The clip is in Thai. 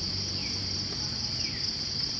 ช่วยกันกับโคทิส